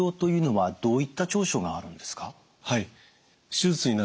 はい。